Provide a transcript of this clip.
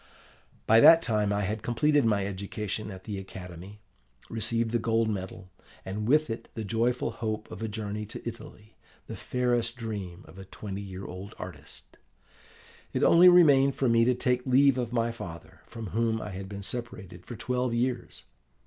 "By that time I had completed my education at the academy, received the gold medal, and with it the joyful hope of a journey to Italy the fairest dream of a twenty year old artist. It only remained for me to take leave of my father, from whom I had been separated for twelve years.